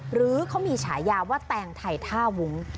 หรือเขามีฉายาว่าแตงไทยท่าวุ้ง